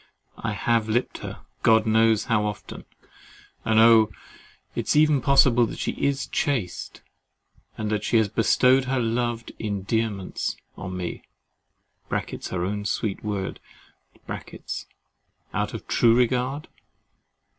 I have LIPPED HER, God knows how often, and oh! is it even possible that she is chaste, and that she has bestowed her loved "endearments" on me (her own sweet word) out of true regard?